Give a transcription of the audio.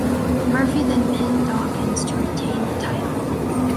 Murphy then pinned Dawkins to retain the title.